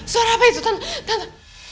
suara apa itu tante tante